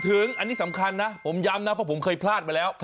ถึงอันนี้สำคัญนะผมย้ำนะเพราะผมเคยพลาดมาแล้ว